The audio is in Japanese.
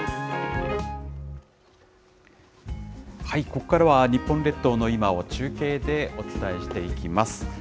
ここからは日本列島の今を中継でお伝えしていきます。